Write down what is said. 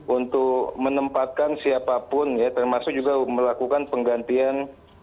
untuk menempatkan siapapun ya termasuk juga melakukan penggantian